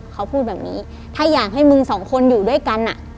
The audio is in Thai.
เขาพูดแบบนี้ถ้าอยากให้มึงสองคนอยู่ด้วยกันอ่ะ